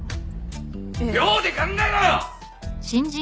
秒で考えろよ！